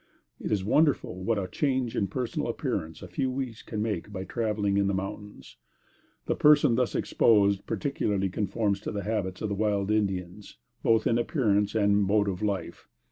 It is wonderful what a change in personal appearance a few weeks can make by traveling in the mountains. The person thus exposed partially conforms to the habits of the wild Indians, both in appearance and mode of life.